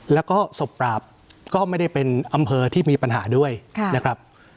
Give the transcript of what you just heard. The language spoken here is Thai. แล้วก็ศพปราบก็ไม่ได้เป็นอำเภอที่มีปัญหาด้วยนะครับ